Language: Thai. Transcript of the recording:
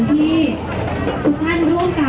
ก็ไม่มีคนกลับมาหรือเปล่า